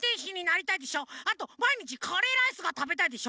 あとまいにちカレーライスがたべたいでしょ。